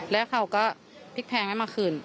แล้วเขาก็พลิกแพงให้มาคืน